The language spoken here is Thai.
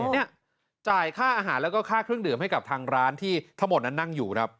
เนี่ยจ่ายค่าอาหารแล้วก็ค่าเครื่องดื่มให้กับทางร้านที่ทั้งหมดนั้นนั่งอยู่ครับ